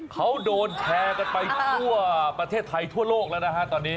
เขาโดนแชร์กันไปทั่วประเทศไทยทั่วโลกแล้วนะฮะตอนนี้